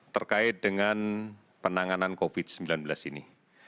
terkait dengan penanganan covid sembilan belas ini